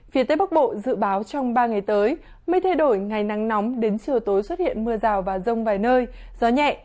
phía tây bắc bộ dự báo trong ba ngày tới mây thay đổi ngày nắng nóng đến chiều tối xuất hiện mưa rào và rông vài nơi gió nhẹ